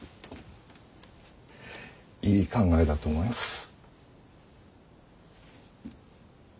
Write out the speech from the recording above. いい考えだと思います。